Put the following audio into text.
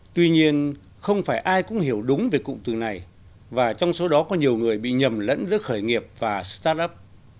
tuy nhiên không phải ai cũng hiểu đúng về cụm từ này và trong số đó có nhiều người bị nhầm lẫn giữa khởi nghiệp và start up